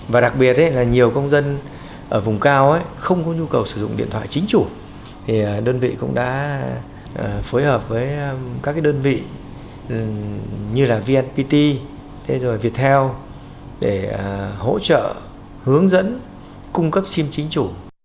và chính chủ đơn vị cũng đã phối hợp với các đơn vị như vnpt viettel để hỗ trợ hướng dẫn cung cấp sim chính chủ